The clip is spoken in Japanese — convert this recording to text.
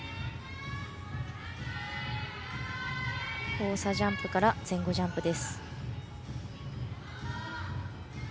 交差ジャンプから前後ジャンプです。